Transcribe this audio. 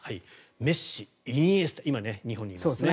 メッシ、イニエスタ今日本にいますね。